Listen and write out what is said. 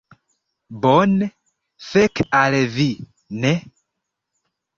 Bone, fek al vi. Ne.